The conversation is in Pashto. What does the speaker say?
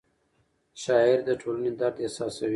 شاعر د ټولنې درد احساسوي.